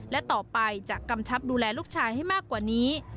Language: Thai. และต่อไปจะกำชับดูแลลูกชายให้มากกว่านี้